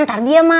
ntar dia marah ya